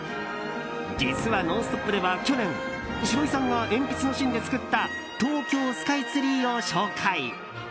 実は「ノンストップ！」では去年、シロイさんが鉛筆の芯で作った東京スカイツリーを紹介。